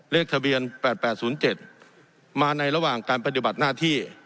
เลขทะเบียนแปดแปดศูนย์เจ็ดมาในระหว่างการปฏิบัติหน้าที่